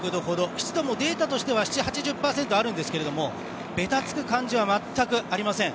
湿度もデータとしては７０８０％あるんですがべたつく感じは全くありません。